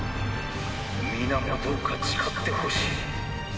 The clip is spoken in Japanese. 「皆もどうか誓ってほしい。